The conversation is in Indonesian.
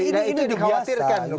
jadi ini dibiasakan